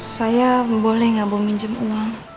saya boleh gak mau minjem uang